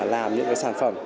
làm những cái sản phẩm